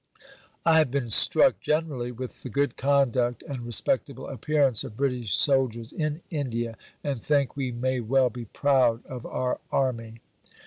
I have been struck generally with the good conduct and respectable appearance of British soldiers in India, and think we may well be proud of our army.